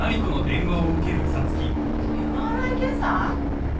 ＭＲＩ検査！？